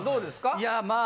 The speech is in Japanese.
いやまあ